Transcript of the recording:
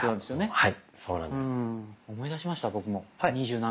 はい。